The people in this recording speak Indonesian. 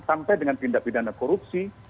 sampai dengan tindak pidana korupsi